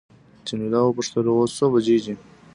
جميله وپوښتل اوس څو بجې دي.